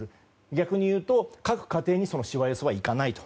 逆に言うと、各家庭にそのしわ寄せはいかない。